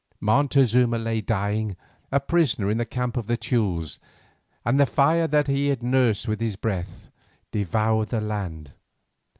Montezuma lay dying, a prisoner in the camp of the Teules, and the fire that he had nursed with his breath devoured the land.